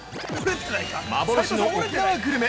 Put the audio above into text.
幻の沖縄グルメ！